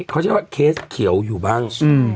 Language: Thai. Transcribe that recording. เขาเชื่อว่าเคสเขียวอยู่บ้าง